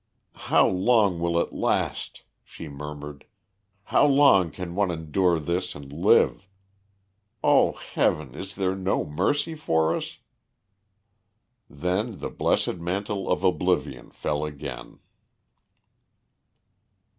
"How long will it last?" she murmured. "How long can one endure this and live? Oh, Heaven! is there no mercy for us?" Then the blessed mantle of oblivion fell again.